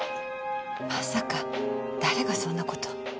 まさか誰がそんな事を？